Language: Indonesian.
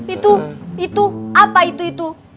itu itu apa itu itu